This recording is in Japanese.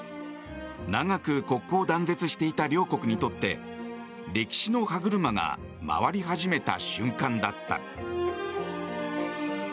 長く国交断絶していた両国にとって歴史の歯車が回り始めた瞬間だった。